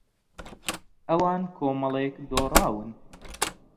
ئەوان کۆمەڵێک دۆڕاون.